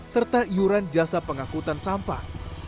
serta iuran jasa pengangkutan sampah